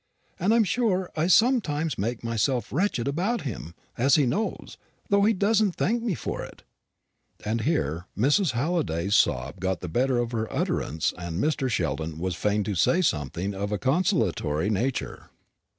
and I'm sure I sometimes make myself wretched about him, as he knows, though he doesn't thank me for it." And here Mrs Halliday's sobs got the better of her utterance, and Mr. Sheldon was fain to say something of a consolatory nature.